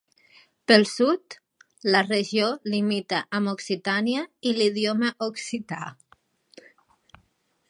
Pel sud, la regió limita amb Occitània i l'idioma occità.